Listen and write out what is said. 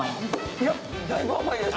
いや、だいぶ甘いです。